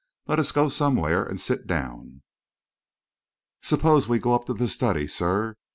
Let us go somewhere and sit down." "Suppose we go up to the study, sir.